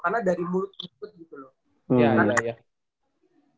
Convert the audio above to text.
karena dari mulut ikut gitu loh